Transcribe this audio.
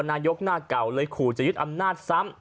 นายกหน้าเก่าเลยขู่จะยึดอำนาจซ้ำ